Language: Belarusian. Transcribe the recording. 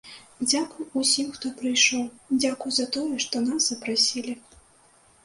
Дзякуй усім, хто прыйшоў, дзякуй за тое, што нас запрасілі.